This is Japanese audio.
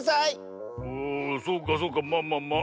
ああそうかそうかまあまあまあ。